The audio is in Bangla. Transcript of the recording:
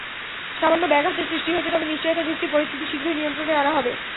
সামান্য ব্যাঘাতের সৃষ্টি হয়েছে, তবে নিশ্চয়তা দিচ্ছি পরিস্থিতি শীঘ্রই - নিয়ন্ত্রণে আনা হবে।